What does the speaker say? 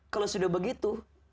kalau sudah begitu